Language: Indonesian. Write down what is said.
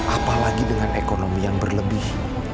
apalagi dengan ekonomi yang berlebih